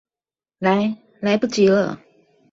來、來不及了